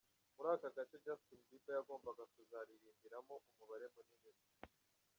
Muri aka gace Justin Bieber yagombaga kuzaririmbiramo, umubare munini.